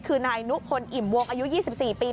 คือนายนุพลอิ่มวงอายุ๒๔ปี